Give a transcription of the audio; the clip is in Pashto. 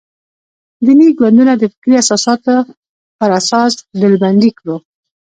دیني ګوندونه د فکري اساساتو پر اساس ډلبندي کړو.